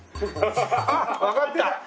あっわかった！